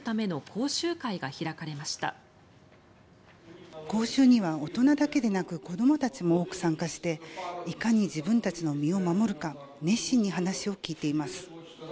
講習には大人だけでなく子どもたちも多く参加していかに自分たちの身を守るか熱心に話を聞いています。